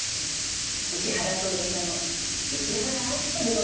葬儀社の石原明子でございます。